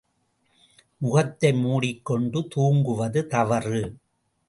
முகத்தை மூடிக் கொண்டு தூங்குவது தவறு.